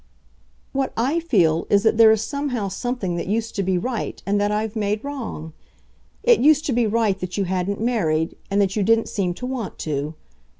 "What I feel is that there is somehow something that used to be right and that I've made wrong. It used to be right that you hadn't married, and that you didn't seem to want to.